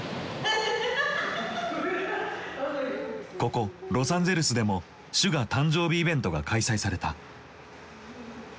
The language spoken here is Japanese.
ここロサンゼルスでもＳＵＧＡ誕生日イベントが開催された。